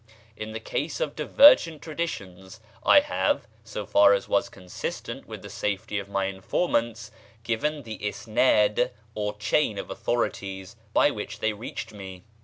In the case of divergent traditions I have, so far as was consistent with the safety of my informants, give the isnád or chain of authorities by which they reached me.